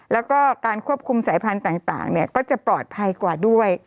แล้วก็การควบคุมสายพันธุ์ต่างก็จะปลอดภัยกว่าด้วย